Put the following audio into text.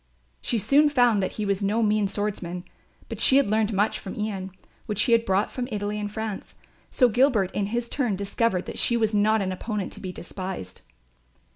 She soon found that he was no mean swordsman; but she had learned much from Ian, which he had brought from Italy and France; so Gilbert in his turn discovered that she was not an opponent to be despised.